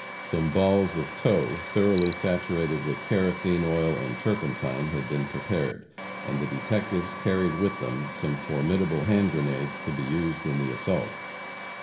Some balls of tow thoroughly saturated with kerosene oil and turpentine had been prepared, and the detectives carried with them some formidable hand grenades to be used in the assault.